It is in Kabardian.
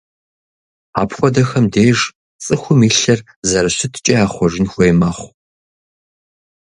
Апхуэдэхэм деж цӏыхум и лъыр зэрыщыткӏэ яхъуэжын хуей мэхъу.